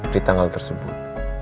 di tanggal tersebut